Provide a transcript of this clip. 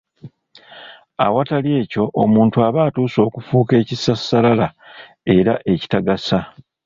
Awatali ekyo omuntu aba atuuse okufuuka ekisassalala era ekitagasa.